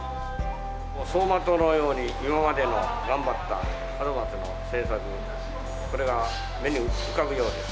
走馬灯のように、今までの頑張った門松の制作が、これが目に浮かぶようです。